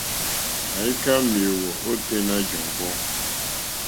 Àyíkâ méěyó ôténá jɔ̀ŋgɔ́.